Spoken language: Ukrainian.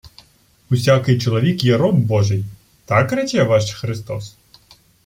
— Усякий чоловік є роб божий. Так рече ваш Христос?